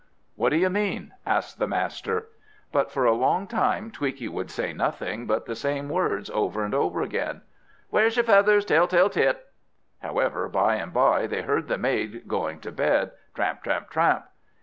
"What do you mean?" asked the master. But for a long time Tweaky would say nothing but the same words over and over again, "Where's your feathers, Tell tale tit?" However, by and by they heard the maid going to bed, tramp, tramp, tramp.